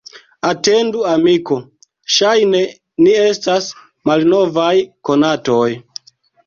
Atendu, amiko, ŝajne ni estas malnovaj konatoj!